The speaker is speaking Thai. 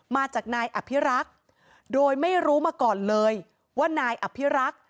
มาจากนายอภิรักษ์โดยไม่รู้มาก่อนเลยว่านายอภิรักษ์